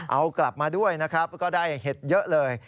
เอากลับมาด้วยนะครับก็ได้เห็ดเยอะเลย